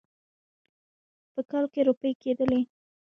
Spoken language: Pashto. په کال کې روپۍ کېدلې.